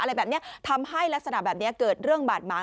อะไรแบบนี้ทำให้ลักษณะแบบนี้เกิดเรื่องบาดหมาง